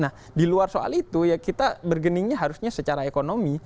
nah di luar soal itu ya kita bergeningnya harusnya secara ekonomi